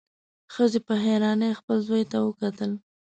ښځې په حيرانۍ خپل زوی ته وکتل.